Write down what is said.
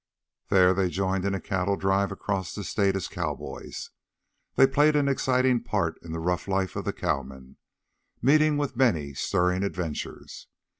There they joined in a cattle drive across the state as cowboys. They played an exciting part in the rough life of the cowmen, meeting with many stirring adventures.